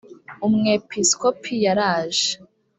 umwepiskopi yaraje